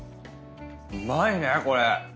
うまいねこれ。